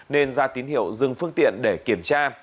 nên ra tín hiệu dừng phương tiện để kiểm tra